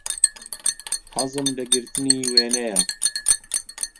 حەزم لە گرتنی وێنەیە.